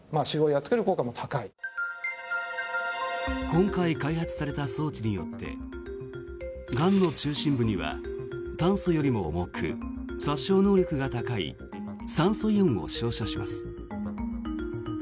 今回開発された装置によってがんの中心部には炭素よりも重く、殺傷能力が高い酸素イオンを照射します。